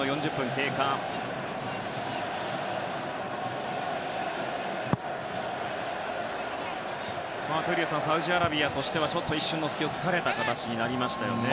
闘莉王さんサウジアラビアとしてはちょっと一瞬の隙を突かれた形になりましたね。